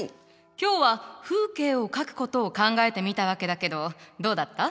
今日は風景を描くことを考えてみたわけだけどどうだった？